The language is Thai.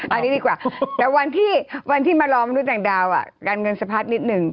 อันนี้ดีกว่าแต่วันที่วันที่มารอมนุษย์ต่างดาวการเงินสะพัดนิดนึง